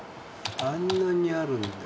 あんなにあるんだ。